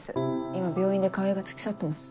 今病院で川合が付き添ってます。